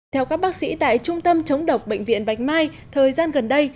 theo các bác sĩ tại trung tâm chống độc bệnh viện bạch mai thời gian gần đây